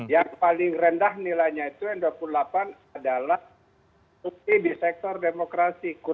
yang paling rendah nilainya itu yang dua puluh delapan adalah bukti di sektor demokrasi